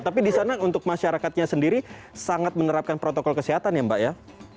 tapi di sana untuk masyarakatnya sendiri sangat menerapkan protokol kesehatan ya mbak ya